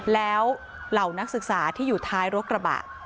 แล้วเหล่านักศึกษาที่อยู่ท้ายรถกระบะ